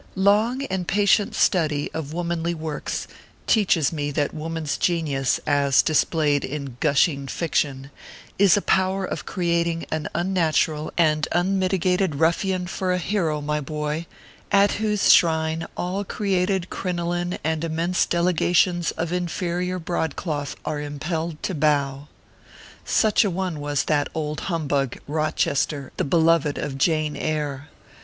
Long and patient study of womanly works teaches me that woman s genius, as displayed in gushing fiction, is a power of creating an unnatural and un mitigated ruffian for a hero, my boy, at whose shrine all created crinoline and immense delegations of infe 64 ORPHEUS C. KERB PAPERS. rior broadcloth are impelled to bow. Such a one was that old humbug, Rochester, the beloved of " Jane Eyre."